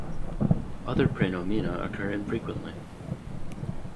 Other praenomina occur infrequently.